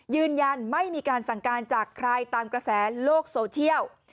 ยืนยันไม่มีการสั่งการจากใครตามกระแสโลกโซเชียล